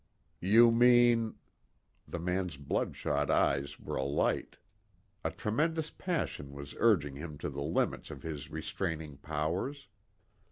"You mean " The man's bloodshot eyes were alight. A tremendous passion was urging him to the limits of his restraining powers.